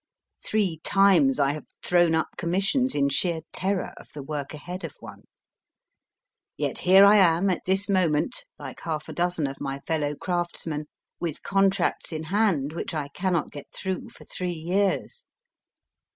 Three times I have thrown up commissions in sheer terror of the work ahead of one. Yet here I am at this moment (like half a dozen of my fellow craftsmen), with contracts in hand which I cannot get through for three years.